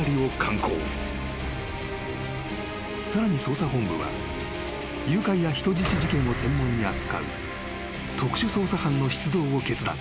［さらに捜査本部は誘拐や人質事件を専門に扱う特殊捜査班の出動を決断］